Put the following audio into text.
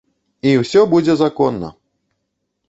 І ўсё будзе законна!